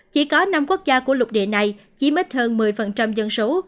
chỉ có năm quốc gia của lục địa này chỉ mất hơn một mươi dân số